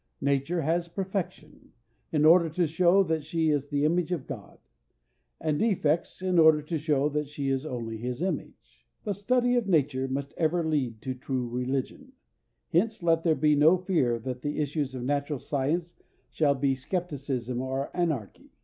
Nature has perfection, in order to show that she is the image of God; and defects, in order to show that she is only his image. The study of nature must ever lead to true religion; hence let there be no fear that the issues of natural science shall be skepticism or anarchy.